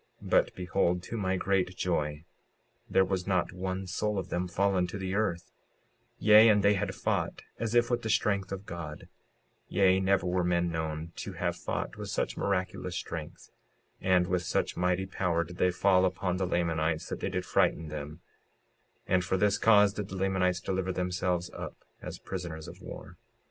56:56 But behold, to my great joy, there had not one soul of them fallen to the earth; yea, and they had fought as if with the strength of God; yea, never were men known to have fought with such miraculous strength; and with such mighty power did they fall upon the Lamanites, that they did frighten them; and for this cause did the Lamanites deliver themselves up as prisoners of war.